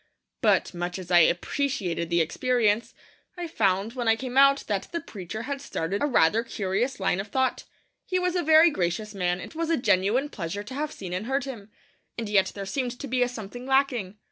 But, much as I appreciated the experience, I found, when I came out, that the preacher had started a rather curious line of thought. He was a very gracious man; it was a genuine pleasure to have seen and heard him. And yet there seemed to be a something lacking.